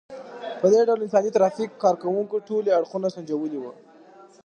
په دې ډول د انساني ترافیک کار کوونکو ټولي اړخونه سنجولي وو.